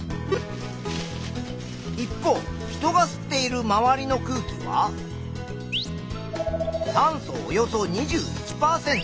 一方人が吸っているまわりの空気は酸素およそ２１％。